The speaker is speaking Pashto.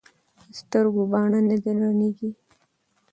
ـ په سترګو باڼه نه درنېږي.